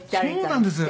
そうなんです。